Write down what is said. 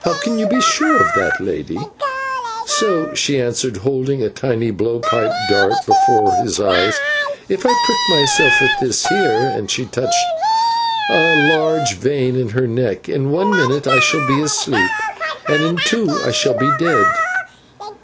"How can you be sure of that, Lady?" "So," she answered, holding a tiny blow pipe dart before his eyes. "If I prick myself with this here " and she touched the large vein in her neck, "in one minute I shall be asleep, and in two I shall be dead."